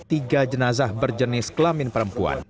tiga jenazah berjenis kelamin perempuan